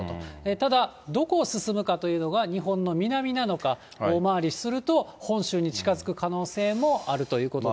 ただ、どこを進むかというのが、日本の南なのか、大回りすると、本州に近づく可能性もあるということで。